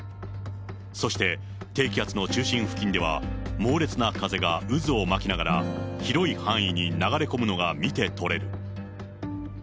そして低気圧の中心付近では、猛烈な風が渦を巻きながら広い範囲に流れ込むのが見て取れる。